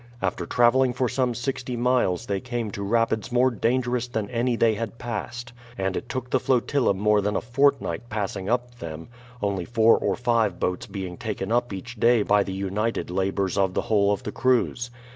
After traveling for some sixty miles they came to rapids more dangerous than any they had passed, and it took the flotilla more than a fortnight passing up them, only four or five boats being taken up each day by the united labors of the whole of the crews.